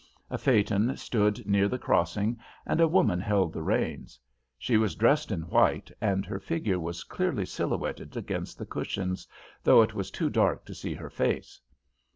A phaeton stood near the crossing and a woman held the reins. She was dressed in white, and her figure was clearly silhouetted against the cushions, though it was too dark to see her face.